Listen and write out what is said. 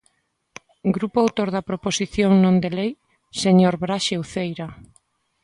Grupo autor da proposición non de lei, señor Braxe Uceira.